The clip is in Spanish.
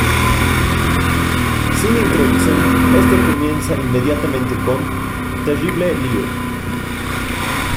Sin introducción, este comienza inmediatamente con "Terrible Lie".